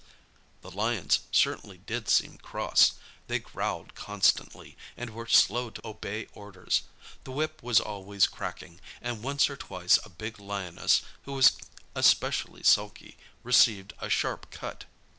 The lions certainly did seem cross. They growled constantly, and were slow to obey orders. The whip was always cracking, and once or twice a big lioness, who was especially sulky, received a sharp cut.